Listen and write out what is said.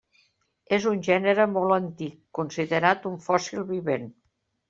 És un gènere molt antic, considerat un fòssil vivent.